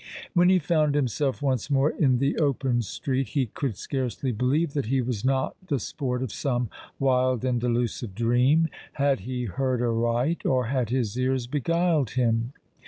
When he found himself once more in the open street, he could scarcely believe that he was not the sport of some wild and delusive dream. Had he heard aright? or had his ears beguiled him?